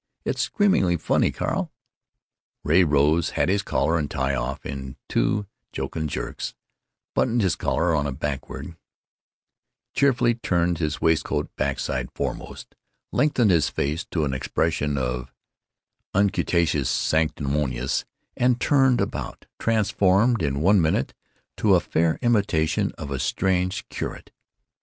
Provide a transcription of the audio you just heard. It's screamingly funny, Carl." Ray rose, had his collar and tie off in two jocund jerks, buttoned his collar on backward, cheerily turned his waistcoat back side foremost, lengthened his face to an expression of unctuous sanctimoniousness, and turned about—transformed in one minute to a fair imitation of a stage curate.